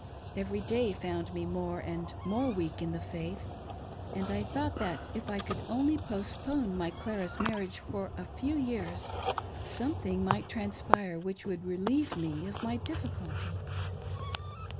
Every day found me more and more weak in the faith, and I thought that, if I could only postpone my Clara's marriage for a few years, something might transpire which would relieve me of my difficulty.